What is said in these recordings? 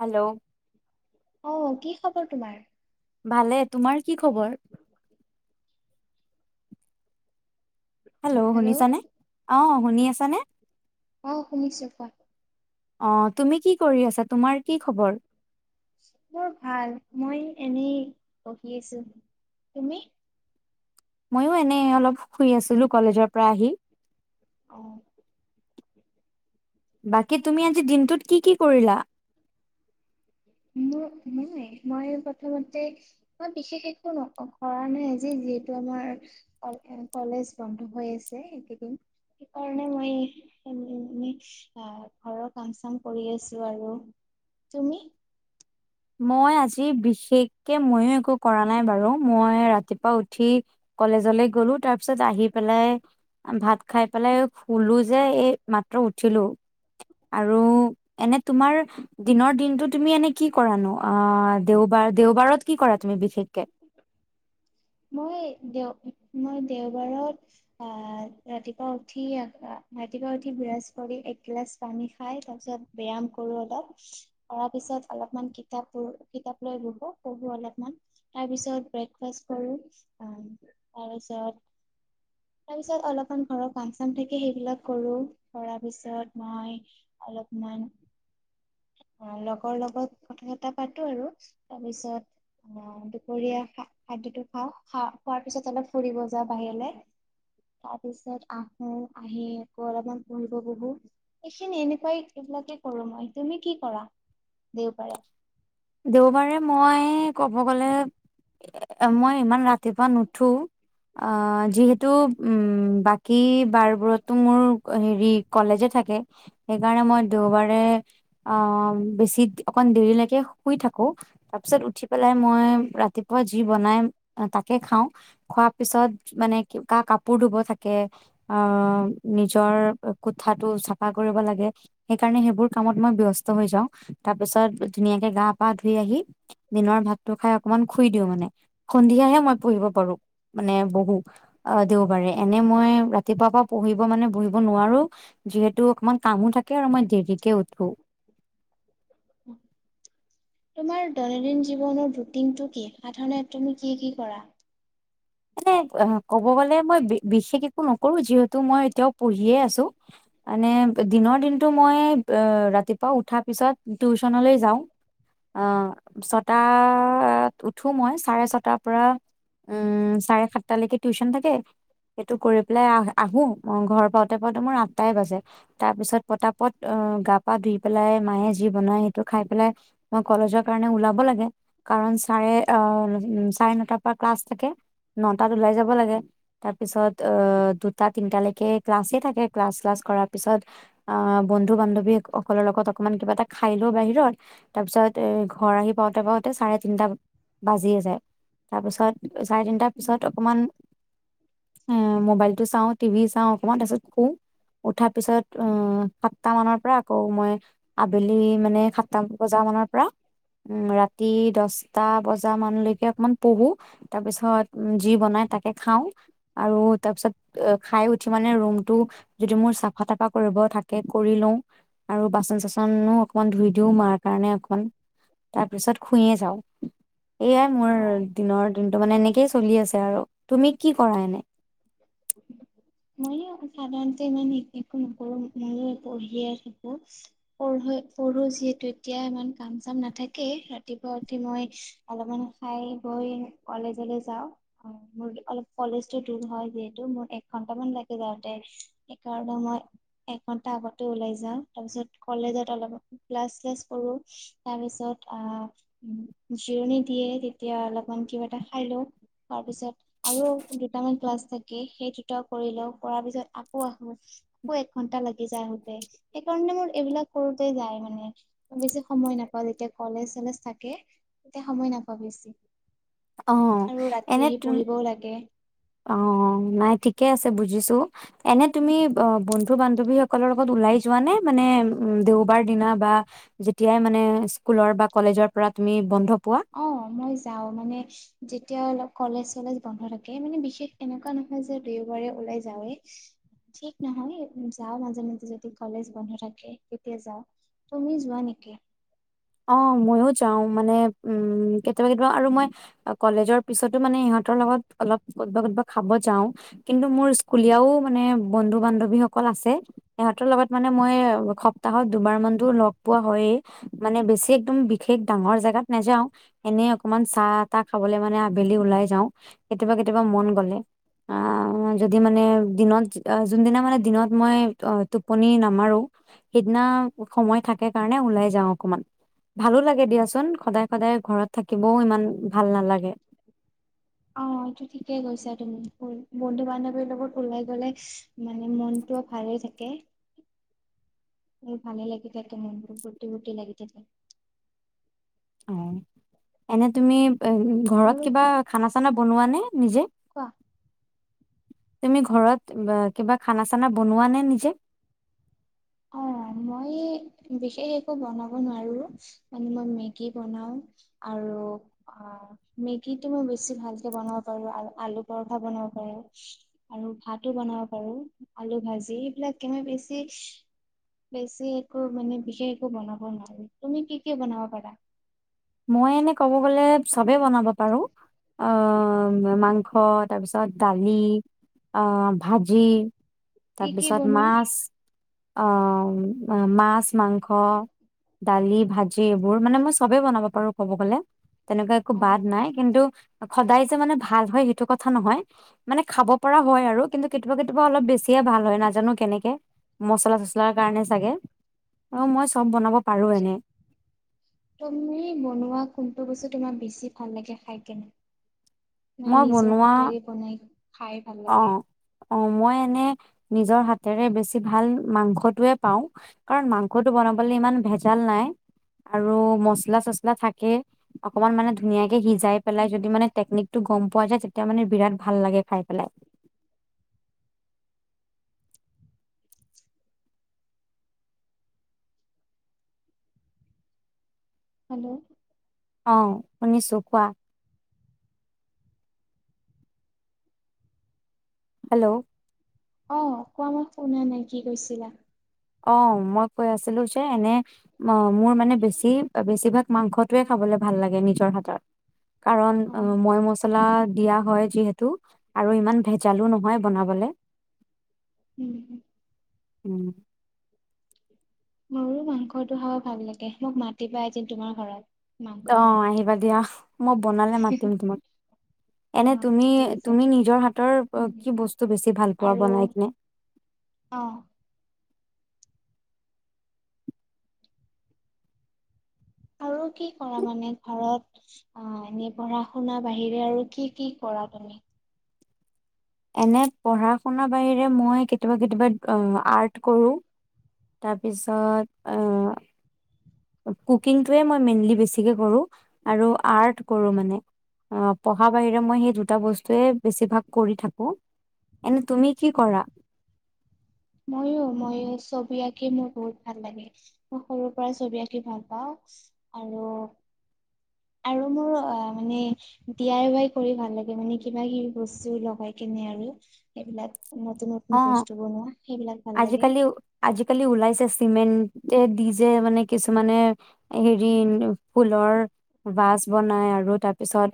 Hello. অ কি খবৰ তোমাৰ। ভালে তোমাৰ। কি খবৰ। হেল্ল' শুনিছানে অ। শুনি আছা নে। অহ শুনিছো কোৱা। অ তুমি কি কৰি আছা তোমাৰ কি খবৰ। মোৰ ভাল মই এনেই বহি আছো তুমি। ময়ো এনেই অলপ শুই আছিলো কলেজৰ পৰা আহি। অ। বাকী তুমি আজি দিনটোত কি কি কৰিলা। নাই মই প্ৰথমতে মই বিশেষ একো কৰা নাই আজি যিহেতু আমাৰ কলেজ বন্ধ হৈ আছে। এইদিন সেইকাৰণে মই ঘৰৰ কাম চাম কৰি আছো আৰু তুমি। মই আজি বিশেষকে ময়ো একো কৰা। নাই বাৰু মই ৰাতিপুৱা উঠি। কলেজলৈ গলো তাৰ পিছত আহি পেলাই ভাত খাই পেলাই শুলো যে এই মাত্ৰ উঠিলো আৰু এনে তোমাৰ দিনৰ দিনতটো তুমি এনে কি। কৰানো অহ দেওবাৰ দেওবাৰত কি কৰা তুমি বিশেষকে। মই দেও মই দেওবাৰত আহ ৰাতিপুৱা উঠি ৰাতিপুৱা উঠি বিৰাছ কৰি একগিলাচ পানী খাই তাৰপিছত ব্যায়াম কৰো অলপ কৰাৰ পিছত অলপমান কিতাপ পঢো কিতাপ লৈ পঢো অলপমান তাৰপিছত ব্ৰেকফাষ্ট। তাৰপিছত তাৰপিছত অলপমান ঘৰৰ কাম চাম থাকে। সেইবিলাক কৰো কৰাৰ পিছত মই অলপমান লগৰ লগত কথা চ পাতো আৰু তাৰপিছত আহ দুপৰীয়া। খাদ্যটো খাওঁ খ খোৱাৰ পিছত অলপ ফুৰিব যা বাহিৰলৈ তাৰপিছত আহো আহি আকৌ অলপমান পুহিব বহো এইখিনি এনেকুৱাই এইবিলাকে কৰো মই তুমি কি কৰা দেওবাৰে। দেওবাৰে মই কব গলে মই ইমান ৰাতিপুৱা নুঠো আহ যিহেতু উম বাকী বাৰবোৰতো মোৰ হেৰি কলেজে থাকে। সেইকাৰণে মই দেওবাৰে। অ বেছি অকন দেৰিলৈকে। শুই থাকো তাৰপিছত উঠি পেলাই মই ৰাতিপুৱা যি বনাই তাকে খাওঁ। খোৱাৰ পিছত মানে ক কা কাপোৰ ধুব থাকে। আঁহ নিজৰ কোঠাটো চাফা কৰিব লাগে, সেইকাৰণে সেইবোৰ কামত মই ব্যস্ত হৈ যাওঁ। তাৰ পিছত ধুনীয়াকে গা- পা ধুই আহি দিনৰ ভাতটো খাই অকমান খুই দিওঁ মানে। সন্ধিয়াহে মই পুৰিব পাৰো মানে, বহো আঁহ দেওবাৰে। এনেই মই ৰাতিপুৱাৰ পৰা পঢ়িব মানে বহিব নোৱাৰো যিহেতু অকমান কামো থাকে আৰু মই দেৰিকে উঠো। তোমাৰ দৈনন্দিন জীৱনৰ ৰুটিনটো কি সাধাৰণতে তুমি কি, কি কৰাৰ? মানে, কব গলে মই বিশেষ একো নকৰো, যিহেতু মই এতিয়াও পঢ়িয়ে আছো মানে, দিনৰ দিনতটো মই ৰাতিপুৱা উঠাৰ পিছত টিউচনলৈ যাওঁ, আঁহ ছটা'ত উঠো, মই চাৰে ছটাৰ পৰা উম- চাৰে সাতটালৈকে টিউশচন থাকে। সেইটো কৰি পেলাই আহো ঘৰৰ পাওঁতে, পাওঁতে মোৰ আঠটাই বাজে, তাৰ পিছত পতা-পত, গা-পা ধুই পেলাই মায়ে যি বনাই সেইটো খাই পেলাই মই কলেজৰ কাৰণে ওলাব লাগে। চাৰে নটাৰ পৰা ক্লাছ থাকে। নটাত ওলাই যাব লাগে। তাৰ পিছত আঁহ দুটা, তিনটালৈকে ক্লাছে থাকে, ক্লাছ, চেলাছ কৰাৰ'ৰ পিছত আঁহ বন্ধু- বান্ধৱী সকলৰ লগত অকনমান কিবা এটা খাই লওঁ বাহিৰত, তাৰ পিছত এ' ঘৰ আহি পাওঁতে, পাওঁতে চাৰে তিনটা বাজিয়ে যায়। তাৰ পিছত চাৰে তিনটা- উম। পিছত অকমান মবাইল টো চাওঁ, টিভি চাওঁ অকমান, তাৰপিছত শু উঠাৰ পিছত আঁহ সাতটা মানৰ পৰা আকৌ মই- আবে'লি মানে সাতটা মান বজাৰ পৰা উম, ৰাতি দছটা বজা মানলৈ কে অকমান পঢ়ো। তাৰপিছত- যি' বনাই তাকে খাওঁ আৰু তাৰ পিছত খাই, উঠি মানে ৰুম- টো যদি মোৰ চাফা- তাফা কৰিব থাকে কৰি লওঁ, আৰু বাচন- চাচনো অকমান ধুই দিওঁ মাৰ কাৰণে অকণমান, তাৰপিছত শুই য়ে যাওঁ। এয়াই' মোৰ অ'। দিনৰ- দিনটো মানে এনেকেই- আৰু তুমি কি' কৰা এনেই? মইও সাধাৰণতে ইমান একো নকৰো, ময়ো পঢ়িয়ে থাকো, পঢ়ো যিহেতু এতিয়া ইমান কাম- চাম নাথাকে। ৰাতিপুৱা উঠি মই অলপমান খাই বৈ কলেজলৈ যাওঁ, মোৰ অলপ কলেজটো দূৰ হয়, যিহেতু এক ঘণ্টা মান লাগি যায় যাওঁতে, সেই কাৰণে মই এঘন্টা আগতে ওলাই যাওঁ। তাৰ পিছত কলেজত ক্লাছ-চেলাছ কৰো। তাৰ পিছত আঁহ জিৰণি দিয়ে তেতিয়া কিবা এটা খাই লওঁ, তাৰপিছত আৰু দুটা মান ক্লাছ থাকে, সেই দুটাও কৰি লওঁ, কৰাৰ পিছত আকৌ' আহো আকৌ' এক ঘন্টা লাগি যায় আহোতে, সেইকাৰণে মোৰ এইবিলাক কৰোতে যায় মানে, বেছি সময় নাপাওঁ যেতিয়া কলেজ- চলেজ থাকে তেতিয়া সময় নাপাওঁ বেছি। অ আৰু ৰাতি আহি পঢ়িবও লাগে। অঁ নাই ঠিকে আছে বুজিছো। এনেই তুমি অঁ বন্ধু- বান্ধৱী সকলৰ লগত ওলাই যোৱা নে, মানে দেওবাৰ দিনা বা' যেতিয়াই মানে- স্কুলৰ বা কলেজৰ পৰা তুমি বন্ধ পোৱা অঁ মই যাওঁ, মানে যেতিয়া অলপ- কলেজ- চলেজ বন্ধ থাকে, মানে বিশেষ এনেকুৱা নহয় যে' দেওবাৰে ওলাই যাওঁয়ে, ঠিক নহয় যাওঁ মাজে, মাজে যদি কলেজ বন্ধ থাকে তেতিয়া যাওঁ। তুমি যোৱা নেকি? অঁ মইও যাওঁ। মানে উম কেতিয়াবা, কেতিয়াবা আৰু মই কলেজৰ পিছতো মানে ইহঁতৰ লগত অলপ কেতিয়াবা, কেতিয়াবা খাব যাওঁ। কিন্তু মোৰ স্কুলীয়াও মানে বন্ধু- বান্ধৱী সকল আছে। সিহঁতৰ লগত মানে মই সপ্তাহত দুবাৰ মান'তো লগ পোৱা হয়য়েই। মানে বেছি একদম বিশেষ ডাঙৰ জেগাত নাযাওঁ। এনেই অকমান চাহ- তাহ খাবলৈ মানে আবেলি ওলাই যাওঁ কেতিয়াবা, কেতিয়াবা মন গলে। আঁহ যে মানে দিনত যোন দিনা, মানে দিনত মই অঁ টোপনি নামাৰো। সেইদিনা সময় থাকে কাৰণে ওলাই যাওঁ। অকমান, ভালো লাগে দিয়াচোন। সদায়, সদায় ঘৰত থাকিবও ইমান ভাল নালাগে। বন্ধু-বান্ধবী লগত ওলাই গ'লে মানে মন টোও ভালে থাকে। ভালে লাগি থাকে। মনবোৰ ফূৰ্তি, ফূৰ্তি লাগি থাকে। অঁ এনেই তুমি- ঘৰত আৰু কি কিবা খানা- চানা বনোৱা নে? নিজে কোৱা তুমি ঘৰত কিবা খানা- চানা বনোৱা নে নিজে? অঁ মই বিশেষ একো বনাব নোৱাৰো। মানে, মই মেগী বনাওঁ আৰু মেগীটো মই বেছি ভালকৈ বনাব পাৰো, আৰু আলু পৰঠা বনাব পাৰো, আৰু ভাতো বনাব পাৰো, আলু ভাজি এইবিলাক কে মই বেছি- বেছি একো মানে বিশেষ একো বনাব নোৱাৰো। তুমি কি, কি বনাব পাৰা? মই এনেই কব গ'লে- চবেই বনাব পাৰো। মাংস, তাৰপিছত দালি, আঁহ ভাজি- কি কি তাৰপিছত বনোৱা মাছ- অঁ মাছ, মাংস, দালি, ভাজি এইবোৰ মানে মই চবেই বনাব পাৰো। বাৰু ক'ব গ'লে তেনেকুৱা একো অ বাদ নাই কিন্তু সদায় যে মানে ভাল হয় সেইটো কথা নহয় মানে খাব পৰা হয় আৰু কিন্তু কেতিয়াবা কে এইবোৰ অলপ বেছিয়ে ভাল হয় নাজানো কেনেকে মচলা চচলাৰ কাৰণে অ', চাগে অ মই চব বনাব পাৰো এনে তুমি মই বনোৱা কোনটো বস্তু তাৰ বেছি ভাল লাগে খাই কেনে মই নাই নিজৰ বনোৱা হাতেৰে বনাই খাই ভাল লাগে অ' অ মই এনে নিজৰ হাতেৰে বেছি ভাল মাংসটোয়ে পাওঁ কাৰণ মাংসটো বনাবলৈ ইমান ভেজাল নাই আৰু মচলা চচলা থাকে অকমান মানে ধুনীয়ে সিজাই পেলাই যদি মানে টনিক গম পোৱা যায় তেতিয়া মানে বিৰাট ভাল লাগে খাই পেলাই হেল্ল' অ শুনিছোঁ কোৱা হেল্ল' অ কোৱা মই শুনা নাই কি কৈছিলা অ মই কৈ আছিলো যে এনে মোৰ মানে বেছি বেছিভাগ মাংসটোৱে খাবলৈ ভাল লাগে নিজৰ হাতত কাৰণ অ মই মচলা দিয়া হয় যিহেতু আৰু ইমান ভেজালো নহয় বনাবলে উম হ উম মোৰো মাংসটো খাব ভাল লাগে মোক মাতি পাই এদিন তোমাৰ ঘৰত মাংস অহ বনাই আহিবা দিয়া মই বনালে মাতিম তোমাক এনে অ', তুমি ঠিক আছে। তুমি নিজৰ হাতৰ উম, কি বস্তু বেছি ভাল পোৱা আৰু বনাই কিনে অ', আৰু কি কৰা মানে ঘৰত অ এনে পঢ়া শুনা বাহিৰে আৰু কি কি কৰা তুমি? এনে পঢ়া শুনাৰ বাহিৰে মই কেতিয়াবা কেতিয়াবা আৰ্ট কৰোঁ তাৰপিছত কুকিংটোৱে মই মেইনলি বেছিকে কৰোঁ আৰু আৰ্ট কৰো মানে পঢ়াৰ বাহিৰে মই সেই দুটা বস্তুৱে বেছিভাগ কৰি থাকো এনে তুমি কি কৰা? ময়ো মই ছবি আঁকি মোৰ বহুত ভাল লাগে মই সৰুৰ পৰা ছবি আঁকি ভাল পাওঁ আৰু আৰু মোৰ অ মানে ডিৱাই আই ৱাই কৰি ভাল লাগে মানে কিবা কিবি বস্তু লগাই কেনে আৰু এইবিলাক অ ভাল লাগে। আজিকালিও আজিকালিও ওলাইছে চিমেণ্ট তে দি যে মানে কিছুমানে হেৰি ফুলৰ বাজ বনাই আৰু তাৰপিছত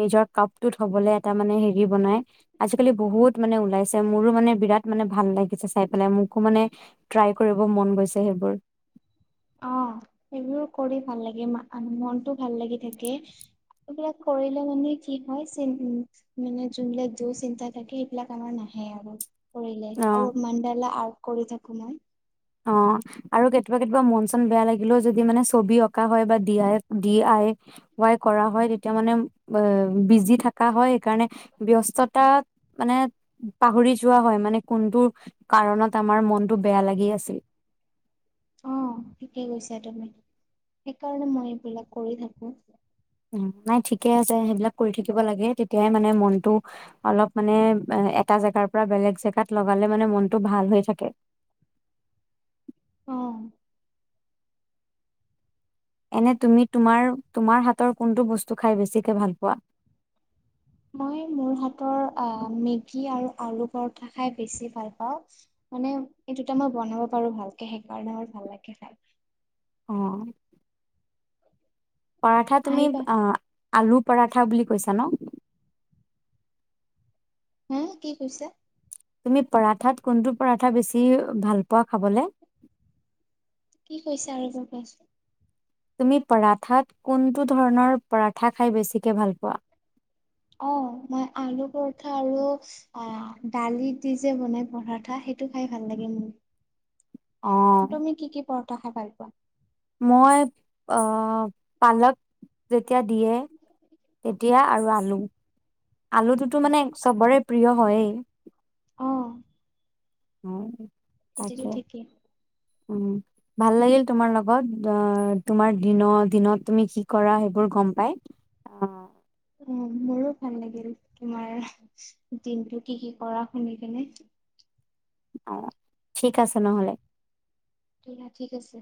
নিজৰ কাপটোত থবলৈ এটা মানে হেৰি বনাই আজিকালি বহুত মানে ওলাইছে মোৰো মানে বিৰাট মানে ভাল লাগিছে চাই পেলাই মোকো মানে ট্ৰাই কৰিব মন গৈছে সেইবোৰ অ সেইবোৰ কৰি ভাল লাগে মনটো ভাল লাগি থাকে এইবিলাক কৰিলে মানে কি হয় চে মানে যোনবিলাক য চিন্তা থাকে সেইবিলাক আমাৰ নাহে আৰু কৰিলে অ আৰু মাডালা কৰি থাকো মই অ আৰু কেতিয়াবা কেতিয়াবা মন চন বেয়া লাগিলেও যদি মানে ছবি অঁকা হয় বা D I Y D I Y কৰা হয় তেতিয়া মানে অ বিজি থাকা হয় কাৰণে ব্যস্ততা মানে পাহৰি যোৱা হয় মানে কোনটো কাৰণত আমাৰ মনতটো বেয়া লাগি আছে অ ঠিকেই কৈছা তুমি সেইকাৰণে মই এইবিলাক কৰি থাকো নাই ঠিকে আছে সেইবিলাক কৰি থাকিব লাগে তেতিয়াই মানে মনটো অলপ মানে এটা জেগাৰ পৰা বেলেগ জেগাত লগালে মানে মনটো ভাল হৈ থাকে অ এনে তুমি তোমাৰ তোমাৰহাতৰ কোনটো বস্তু খাই বেছিকে ভাল পোৱা মই মোৰ হাতৰ মেগী আৰু আলু পৰঠা খাই বেছি ভাল পাওঁ মানে এই দুটা মই বনাব পাৰো ভালকে সেইকাৰণে মোৰ ভাল লাগে খাই অ পাৰঠা তুমি আহিবা আলু পাৰাঠা বুলি কৈছা ন হুম কি কৈছে তুমি পাৰাঠাত কোনটো পাৰাঠা বেছি ভাল পোৱা খাবলে কি কৈছা আৰু এবাৰ কোৱাচোন তুমি পাৰাঠাত কোনটো ধৰণৰ পাৰাঠা খাই বেছিকে ভাল পোৱা অ মই আলু পৰঠা আৰু অ দালিত দি যে বনাই পাৰাঠা সেইটো খাই ভাল লাগে মোৰ অ তুমি কি কি পঢ় খাদ্য খাই ভাল পোৱা মই পালক যেতিয়া দিয়ে তেতিয়া আৰু আলু আলুটোতো মানে চবৰে প্ৰিয় হয়য়ে উম অ হম তেতিয়াটো ঠিকেই উ ভাল লাগিল তোমাৰ লগত আহ তোমাৰ দিনৰ দিনত তুমি কি কৰা সেইবোৰ গম পাই অ অ মোৰো ভাল লাগিল তোমাৰ দিনটো কি কি কৰা শুনি কেনে অ ঠিক আছে নহলে তলা ঠিক আছে